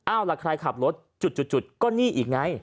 เอาล่ะใครขับรถจุดก็นี่อีกไง